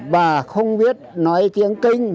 bà không biết nói tiếng kinh